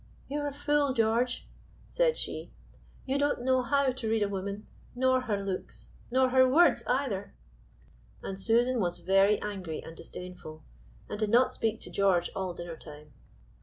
"You are a fool, George," said she; "you don't know how to read a woman, nor her looks, nor her words either." And Susan was very angry and disdainful, and did not speak to George all dinner time.